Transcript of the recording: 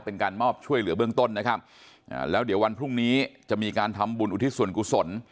เป็นการมอบช่วยเหลือเบื้องต้นนะครับอ่าแล้วเดี๋ยววันพรุ่งนี้จะมีการทำบุญอุทิศส่วนกุศล